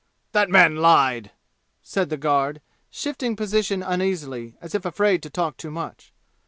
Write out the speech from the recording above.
"That man lied!" said the guard, shifting position uneasily, as if afraid to talk too much.